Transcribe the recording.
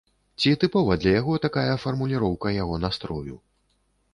Ці тыпова для яго такая фармуліроўка яго настрою?